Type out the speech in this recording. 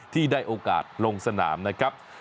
ที่ได้โอกาสลงสนามนะครับ